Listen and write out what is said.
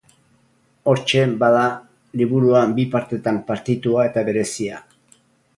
Hortxe, bada, liburua bi partetan partitua eta berezia.